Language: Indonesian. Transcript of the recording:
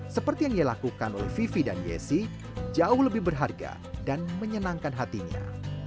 seperti yang dilakukan oleh vivi dan yesi jauh lebih berharga dan menyenangkan hatinya